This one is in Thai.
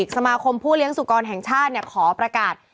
สมาคมผู้เลี้ยงสุกรแห่งชาติขอประกาศ